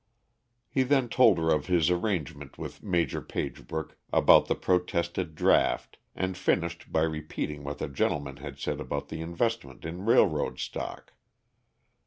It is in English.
He then told her of his arrangement with Maj. Pagebrook about the protested draft, and finished by repeating what that gentleman had said about the investment in railroad stock.